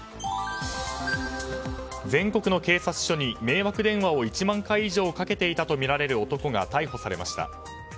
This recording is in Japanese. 全国の警察署に迷惑電話を１万回以上かけていたとみられる男が逮捕されました。